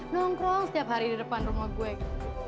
nongkrong setiap hari di depan rumah gue